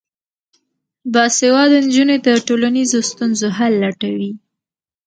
باسواده نجونې د ټولنیزو ستونزو حل لټوي.